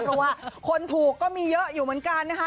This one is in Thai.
เพราะว่าคนถูกก็มีเยอะอยู่เหมือนกันนะคะ